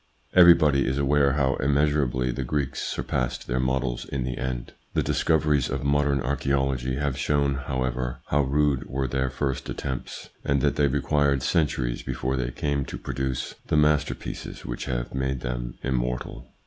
Everbody is aware how immeasurably the Greeks surpassed their models in the end. The discoveries of modern archaeology have shown, however, how rude were their first attempts, and that they required centuries before they came to produce the master pieces which have made them immortal.